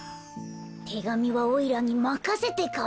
てがみはおいらにまかせてカメ。